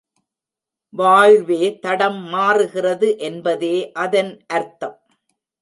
வாழ்வே தடம் மாறுகிறது என்பதே அதன் அர்த்தம்.